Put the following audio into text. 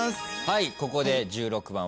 はいここで１６番。